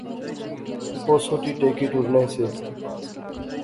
اوہ سوٹی ٹیکی ٹُرنے سے